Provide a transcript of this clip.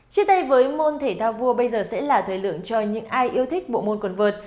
chia tay với môn thể thao vua bây giờ sẽ là thời lượng cho những ai yêu thích bộ môn quần vợt